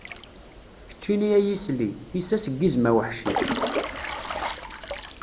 Keččini ay isli, tissas n yizem aweḥci.